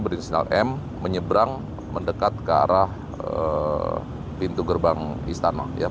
berinisial m menyebrang mendekat ke arah pintu gerbang istana